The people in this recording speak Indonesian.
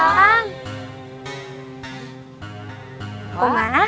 assalamualaikum warahmatullahi wabarakatuh